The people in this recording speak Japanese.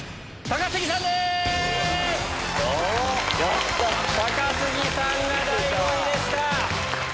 高杉さんが第５位でした。